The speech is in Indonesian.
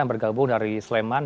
yang bergabung dari sleman